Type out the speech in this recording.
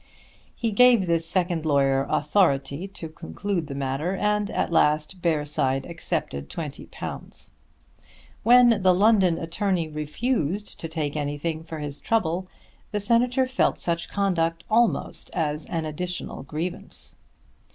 He gave this second lawyer authority to conclude the matter, and at last Bearside accepted £20. When the London attorney refused to take anything for his trouble, the Senator felt such conduct almost as an additional grievance.